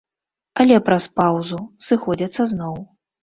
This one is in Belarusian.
Але праз паўзу, сыходзяцца зноў.